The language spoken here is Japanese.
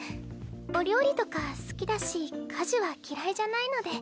お料理とか好きだし家事は嫌いじゃないので。